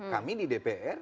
kami di dpr